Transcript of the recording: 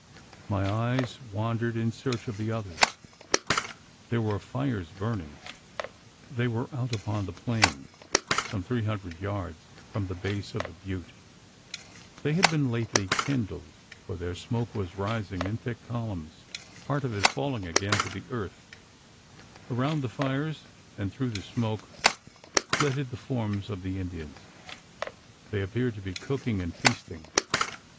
My eyes wandered in search of the others. There were fires burning. They were out upon the plain, some three hundred yards from the base of the butte. They had been lately kindled: for their smoke was rising in thick columns, part of it falling again to the earth. Around the fires, and through the smoke, flitted the forms of the Indians. They appeared to be cooking and feasting.